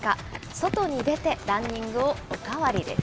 外に出て、ランニングをおかわりです。